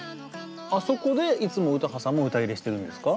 あそこでいつも詩羽さんも歌入れしてるんですか？